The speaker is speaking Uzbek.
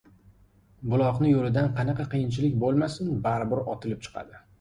Buloqni yo‘lida qanaqa qiyinchilik bo‘lmasin, baribir otilib chiqadi.